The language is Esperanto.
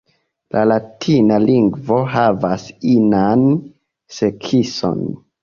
La latina lingvo havas inan sekson.